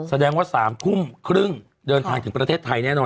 แสดงว่า๓ทุ่มครึ่งเดินทางถึงประเทศไทยแน่นอน